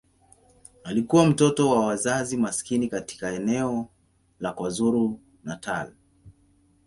Alikuwa mtoto wa wazazi maskini katika eneo la KwaZulu-Natal.